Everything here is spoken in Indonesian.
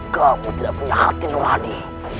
kamu tidak punya hati nurani